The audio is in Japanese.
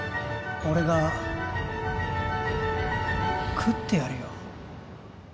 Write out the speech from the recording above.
俺が喰ってやるよ